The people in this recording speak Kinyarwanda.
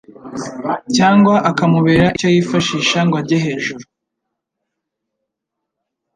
cyangwa akamubera icyo yifashisha ngo ajye hejuru.